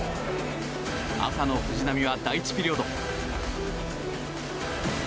赤の藤波は第１ピリオド。